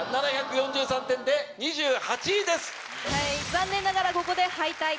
⁉残念ながらここで。